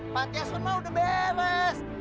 pantiasuhan mah udah beres